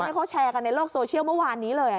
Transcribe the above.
ที่เขาแชร์กันในโลกโซเชียลเมื่อวานนี้เลย